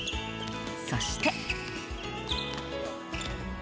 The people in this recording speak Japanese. そして。